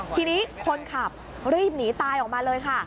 ทีนี้คนขับรีบหนีตายออกมาเลยค่ะ